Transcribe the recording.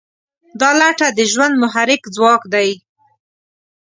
دا لټه د ژوند محرک ځواک دی.